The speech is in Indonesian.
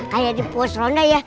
kayak di puas ronda ya